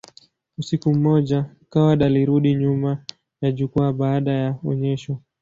Usiku mmoja, Coward alirudi nyuma ya jukwaa baada ya onyesho.